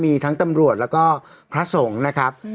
มีทั้งธรรมรวชและพระสงฆ์นะครับ